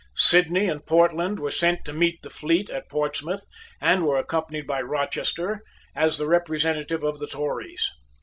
Sidney and Portland were sent to meet the fleet at Portsmouth, and were accompanied by Rochester, as the representative of the Tories.